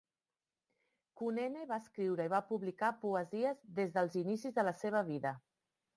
Kunene va escriure i va publicar poesies des dels inicis de la seva vida.